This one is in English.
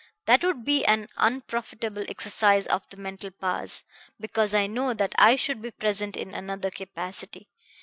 That would be an unprofitable exercise of the mental powers, because I know that I should be present in another capacity.